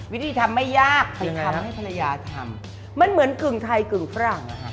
วิธีทำไม่ยากใครทำให้ภรรยาทำมันเหมือนกึ่งไทยกึ่งฝรั่ง